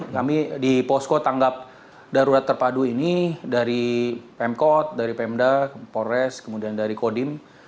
kami di posko tanggap darurat terpadu ini dari pemkot dari pemda polres kemudian dari kodim